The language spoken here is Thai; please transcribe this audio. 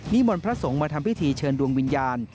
มนต์พระสงฆ์มาทำพิธีเชิญดวงวิญญาณ